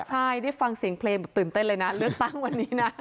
ใช่ได้ฟังเสียงเพลงแบบตื่นเต้นเลยนะเลือกตั้งวันนี้นะ